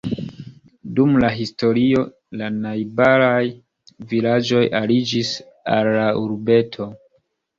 Dum la historio la najbaraj vilaĝoj aliĝis al la urbeto.